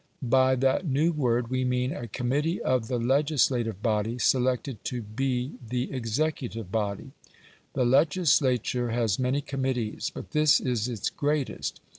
By that new word we mean a committee of the legislative body selected to be the executive body. The legislature has many committees, but this is its greatest.